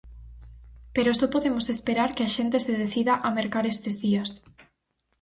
Pero só podemos esperar que a xente se decida a mercar estes días.